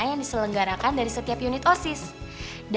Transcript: yang diselenggarakan dari setiap siswa